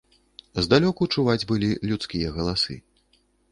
Здалёку чуваць былі людскія галасы.